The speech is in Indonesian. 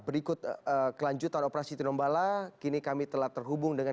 berikut kelanjutan operasi tinombala kini kami telah terhubung dengan